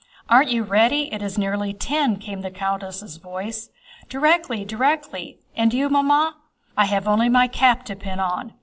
"Aren't you ready? It is nearly ten," came the countess' voice. "Directly! Directly! And you, Mamma?" "I have only my cap to pin on."